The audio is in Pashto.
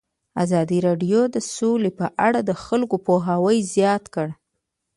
ازادي راډیو د سوله په اړه د خلکو پوهاوی زیات کړی.